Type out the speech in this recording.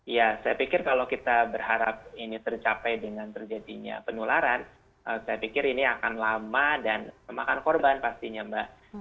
ya saya pikir kalau kita berharap ini tercapai dengan terjadinya penularan saya pikir ini akan lama dan memakan korban pastinya mbak